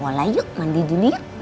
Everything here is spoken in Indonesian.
ke sekolah yuk mandi dulu yuk